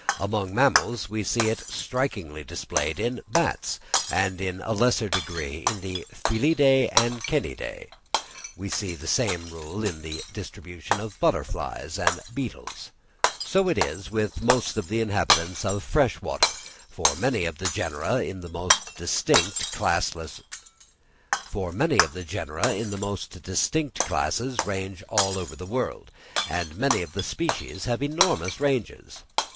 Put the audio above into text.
Among mammals, we see it strikingly displayed in Bats, and in a lesser degree in the Felidæ and Canidæ. We see the same rule in the distribution of butterflies and beetles. So it is with most of the inhabitants of fresh water, for many of the genera in the most distinct classes range over the world, and many of the species have enormous ranges.